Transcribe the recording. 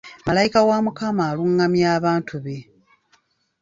Malayika wa Mukama alungamya abantu be.